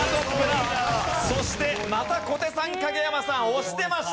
そしてまた小手さん影山さん押してました。